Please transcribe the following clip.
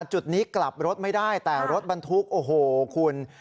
จุดนี้กลับรถไม่ได้แต่รถบรรทุกโอ้โหคุณ